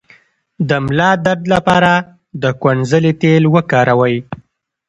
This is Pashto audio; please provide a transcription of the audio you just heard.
د ملا درد لپاره د کونځلې تېل وکاروئ